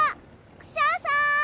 クシャさん！